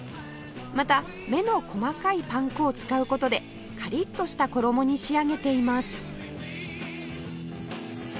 また目の細かいパン粉を使う事でカリッとした衣に仕上げています